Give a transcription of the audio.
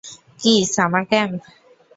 কি summer camp?